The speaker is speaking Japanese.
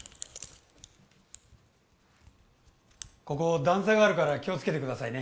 ここ段差があるから気をつけてくださいね